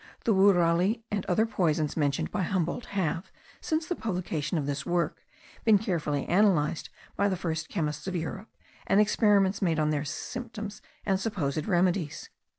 The wourali and other poisons mentioned by Humboldt have, since the publication of this work, been carefully analysed by the first chemists of Europe, and experiments made on their symptoms and supposed remedies.